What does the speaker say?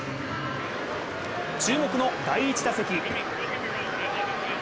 注目の第１打席。